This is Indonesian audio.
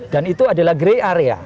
dan itu adalah grey area